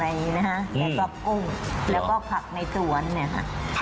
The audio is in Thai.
แล้วก็กุ้งแล้วก็ผักในสวนเนี่ยค่ะ